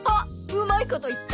うまいこと言った！